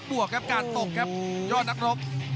บวกครับการตกครับยอดนักรบ